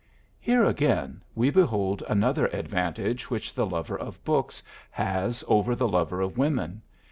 Here again we behold another advantage which the lover of books has over the lover of women.